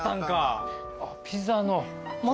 ピザの。